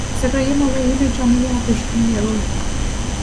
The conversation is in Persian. صدای ملایم جامهی ابریشمی او